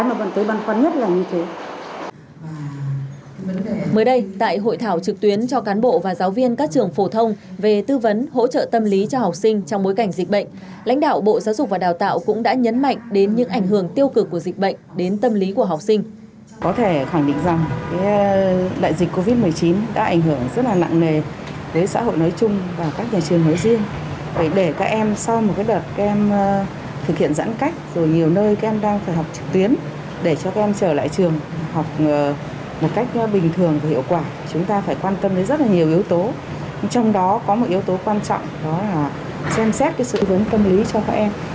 mới đây tại hội thảo trực tuyến cho cán bộ và giáo viên các trường phổ thông về tư vấn hỗ trợ tâm lý cho học sinh trong bối cảnh dịch bệnh lãnh đạo bộ giáo dục và đào tạo cũng đã nhấn mạnh đến những ảnh hưởng tiêu cực của dịch bệnh đến tâm lý của học sinh